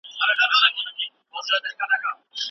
د پردي شیخ په دعاګانو ژړا نه سمیږو